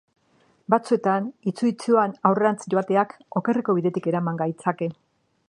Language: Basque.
Batzuetan itsu-itsuan aurrerantz joateak okerreko bidetik eraman gaitzake.